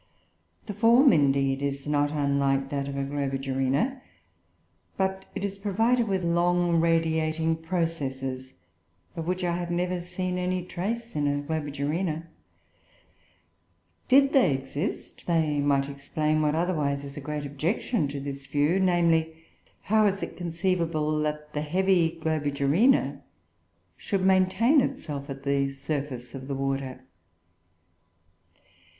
The form, indeed, is not unlike that of a Globigerina, but it is provided with long radiating processes, of which I have never seen any trace in Globigerina. Did they exist, they might explain what otherwise is a great objection to this view, viz., how is it conceivable that the heavy Globigerina should maintain itself at the surface of the water?